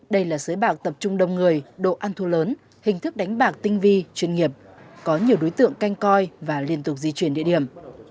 đây là sới bạc tập trung đông người độ ăn thua lớn hình thức đánh bạc tinh vi chuyên nghiệp có nhiều đối tượng canh coi và liên tục di chuyển địa điểm